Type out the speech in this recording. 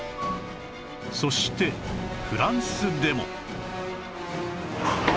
そしてフランスでも